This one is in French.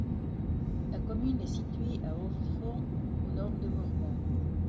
La commune est située à environ au nord de Mormant.